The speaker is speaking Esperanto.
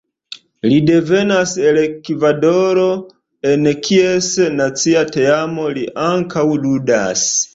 Li devenas el Ekvadoro, en kies nacia teamo li ankaŭ ludas.